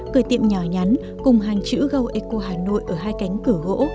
cửa tiệm nhỏ nhắn cùng hàng chữ go eco hà nội ở hai cánh cửa gỗ